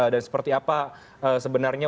dan seperti apa sebenarnya